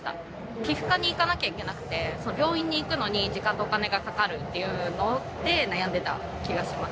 皮膚科に行かなきゃいけなくて、病院に行くのに時間とお金がかかるというので悩んでた気がします。